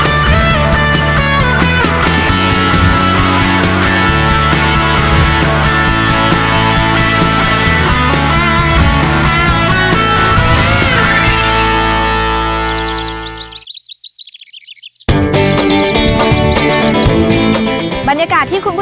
ดิฉันใบตองรัชตวรรณโธชนุกรุณค่ะ